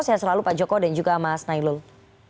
saya selalu pak joko dan juga mas nailul